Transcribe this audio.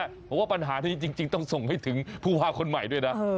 เพราะว่าปัญหาที่จริงต้องส่งให้ถึงผู้พาคนใหม่ด้วยนะ